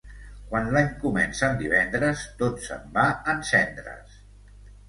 Quan l'any comença en divendres tot se'n va en cendres.